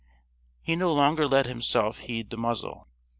He no longer let himself heed the muzzle.